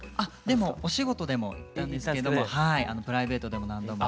お仕事でも行ったんですけれどもプライベートでも何度も。